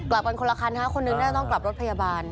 กลับกันคนละคันฮะคนนึงน่าจะต้องกลับรถพยาบาล